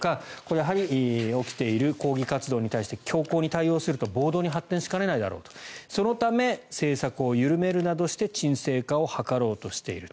やはり、起きている抗議活動に対して強硬に対応すれば暴動に発展しかねないだろうとそのため、政策を緩めるなどして沈静化を図ろうとしていると。